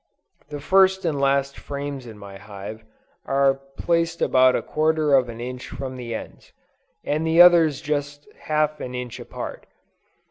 The first and last frames in my hive, are placed about a quarter of an inch from the ends, and the others just half an inch apart.